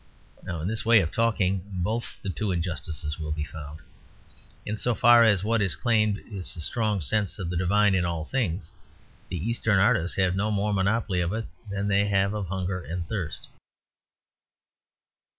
Now in this way of talking both the two injustices will be found. In so far as what is claimed is a strong sense of the divine in all things, the Eastern artists have no more monopoly of it than they have of hunger and thirst.